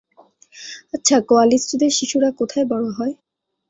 আচ্ছা, কোয়ালিস্টদের শিশুরা কোথায় বড় হয়?